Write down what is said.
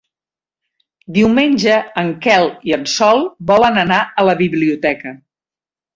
Diumenge en Quel i en Sol volen anar a la biblioteca.